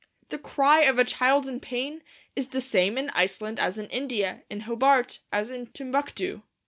The cry of a child in pain is the same in Iceland as in India, in Hobart as in Timbuctoo!